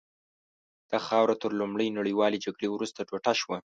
دا خاوره تر لومړۍ نړیوالې جګړې وروسته ټوټه شوه.